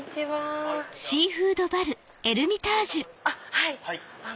はい。